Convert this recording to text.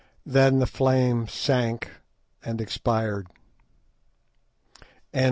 Then the flame sank and expired.